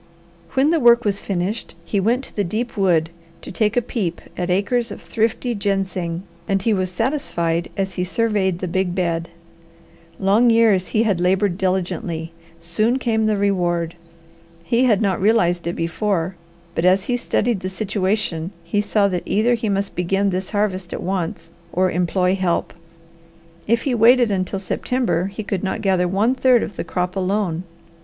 When the work was finished, he went to the deep wood to take a peep at acres of thrifty ginseng, and he was satisfied as he surveyed the big bed. Long years he had laboured diligently; soon came the reward. He had not realized it before, but as he studied the situation he saw that he either must begin this harvest at once or employ help. If he waited until September he could not gather one third of the crop alone.